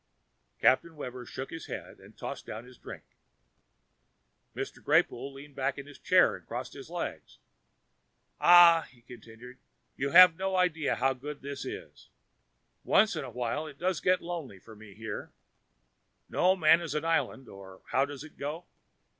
Captain Webber shook his head and tossed down his drink. Mr. Greypoole leaned back in his chair and crossed a leg. "Ah," he continued, "you have no idea how good this is. Once in a while it does get lonely for me here no man is an island, or how does it go?